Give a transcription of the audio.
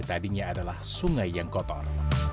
tadinya adalah sungai yang kotor